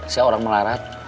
saya orang melarat